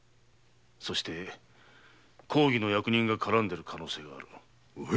そして公儀の役人が絡んでいる可能性がある。